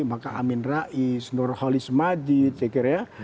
maka amin rais nurhalis majid sekiranya